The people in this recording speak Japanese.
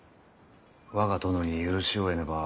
我が殿に許しを得ねば。